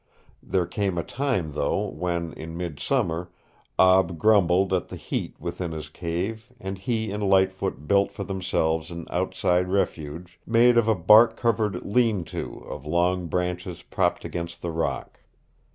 There came a time, though, when, in midsummer, Ab grumbled at the heat within his cave and he and Lightfoot built for themselves an outside refuge, made of a bark covered "lean to" of long branches propped against the rock.